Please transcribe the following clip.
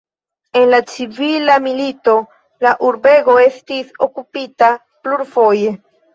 En la civila milito la urbego estis okupita plurfoje.